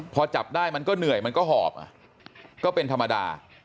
พอจับได้มันก็เหนื่อยมันก็หอบก็เป็นธรรมดา